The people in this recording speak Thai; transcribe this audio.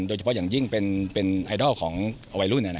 โดยเฉพาะอย่างยิ่งเป็นไอดอลของวัยรุ่น